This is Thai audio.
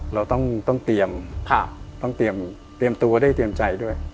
เราต้องเตรียมตัวได้เตรียมใจด้วย